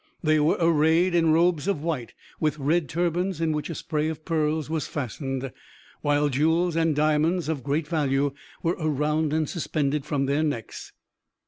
They were arrayed in robes of white, with red turbans in which a spray of pearls was fastened, while jewels and diamonds of great value were around and suspended from their necks.